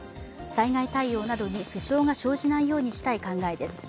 災害対応などに支障が生じないようにしたい考えです。